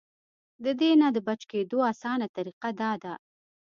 د دې نه د بچ کېدو اسانه طريقه دا ده -